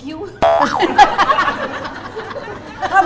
อะไรมั้ยครับ